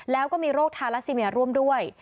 แล้วก็มีโรคทาราซิเมียร่วมด้วย